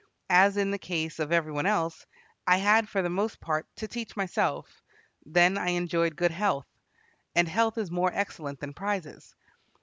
As in the case of every one else, I had for the most part to teach myself.... Then I enjoyed good health, and health is more excellent than prizes.